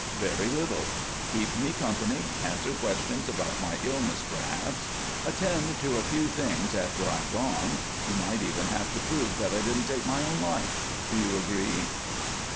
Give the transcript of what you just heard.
"Very little; keep me company, answer questions about my illness, perhaps; attend to a few things after I'm gone. You might even have to prove that I didn't take my own life. Do you agree?"